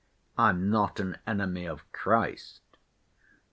I'm not an enemy of Christ.